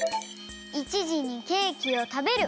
１じにケーキをたべる。